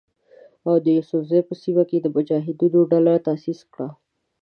او د یوسفزیو په سیمه کې یې د مجاهدینو ډله تاسیس کړه.